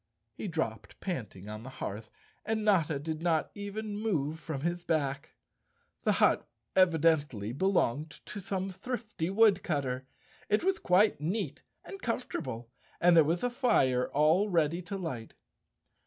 He dropped panting on the hearth, and Notta did not even move from his back. The hut evidently belonged to some thrifty woodcutter. It was quite neat and com¬ fortable and there was a fire all ready to light.